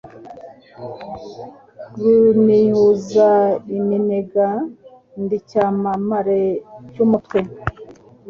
Runihuza iminegaNdi icyamamare cy' umutwe.